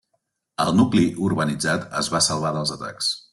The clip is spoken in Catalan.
El nucli urbanitzat es va salvar dels atacs.